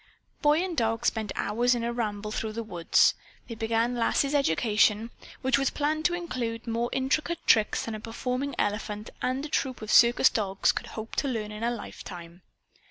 Boy and dog spent hours in a ramble through the woods. They began Lass's education which was planned to include more intricate tricks than a performing elephant and a troupe of circus dogs could hope to learn in a lifetime.